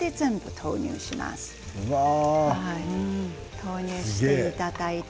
投入していただいて。